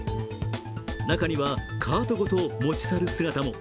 中にはカートごと持ち去る姿も。